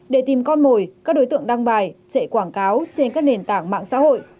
để tìm con mồi các đối tượng đăng bài chạy quảng cáo trên các nền tảng mạng xã hội